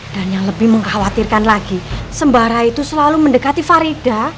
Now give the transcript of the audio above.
dan yang lebih mengkhawatirkan lagi sembara itu selalu mendekati farida